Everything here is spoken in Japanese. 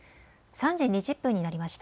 ３時２０分になりました。